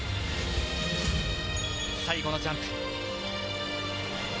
最後のジャンプ。